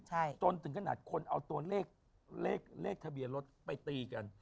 ใช่จนถึงขนาดคนเอาตัวเลขเลขทะเบียนรถไปตีกัน